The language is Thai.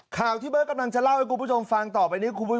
ข่าวที่เบิร์ตกำลังจะเล่าให้คุณผู้ชมฟังต่อไปนี้คุณผู้ชม